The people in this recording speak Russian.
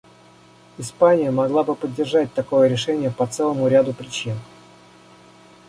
Испания могла бы поддержать такое решение по целому ряду причин.